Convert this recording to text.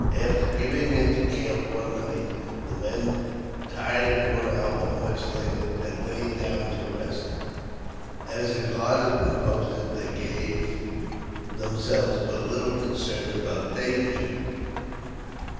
After going into camp one night, the men, tired and worn out by much labor, had lain down to rest. As a guard had been posted, they gave themselves but little concern about danger.